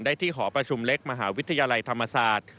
ได้ที่หอประชุมเล็กมหาวิทยาลัยธรรมศาสตร์